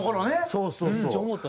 そうそうそう。